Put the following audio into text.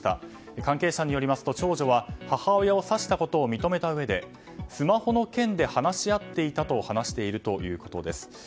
関係者によりますと、長女は母親を刺したことを認めたうえでスマホの件で話し合っていたと話しているということです。